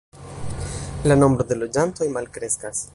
La nombro de loĝantoj malkreskas.